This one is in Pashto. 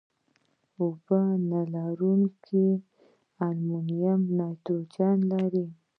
اوبه نه لرونکي امونیا نایتروجن لري.